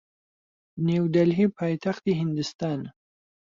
نیودەلهی پایتەختی هیندستانە.